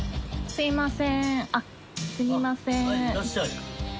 すいません。